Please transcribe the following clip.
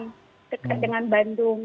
sepertinya dengan bandung